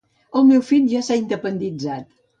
El meu fill ja s'ha independitzat